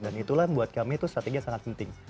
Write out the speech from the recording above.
dan itulah buat kami itu strategi yang sangat penting